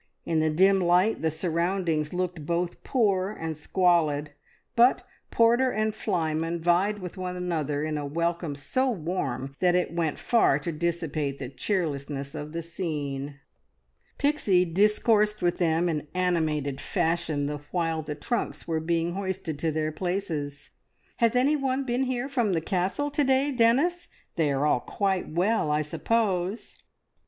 In the dim light the surroundings looked both poor and squalid, but porter and flyman vied with one another in a welcome so warm that it went far to dissipate the cheerlessness of the scene. Pixie discoursed with them in animated fashion the while the trunks were being hoisted to their places. "Has anyone been here from the Castle to day, Dennis? They are all quite well, I suppose?"